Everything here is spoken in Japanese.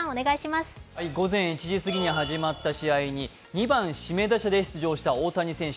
午前１時過ぎに始まった試合に２番・指名打者で出場した大谷選手。